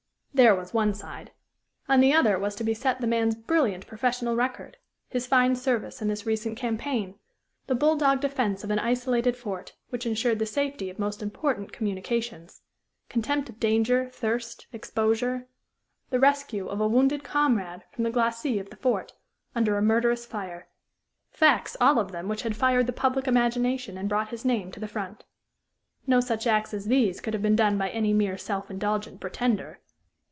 There was one side. On the other was to be set the man's brilliant professional record; his fine service in this recent campaign; the bull dog defence of an isolated fort, which insured the safety of most important communications; contempt of danger, thirst, exposure; the rescue of a wounded comrade from the glacis of the fort, under a murderous fire; facts, all of them, which had fired the public imagination and brought his name to the front. No such acts as these could have been done by any mere self indulgent pretender.